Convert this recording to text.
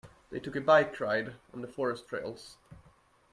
They took a bike ride on the forest trails.